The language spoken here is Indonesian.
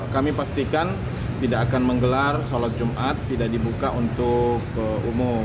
kami pastikan tidak akan menggelar sholat jumat tidak dibuka untuk umum